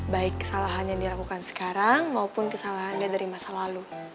baik kesalahan yang dilakukan sekarang maupun kesalahan yang ada dari masa lalu